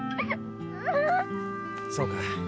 そうか。